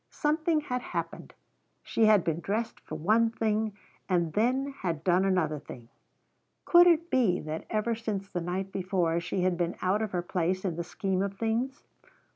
Something had happened. She had been dressed for one thing and then had done another thing. Could it be that ever since the night before she had been out of her place in the scheme of things?